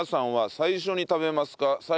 最後に食べますか？